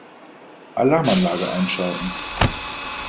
Alarmanlage einschalten.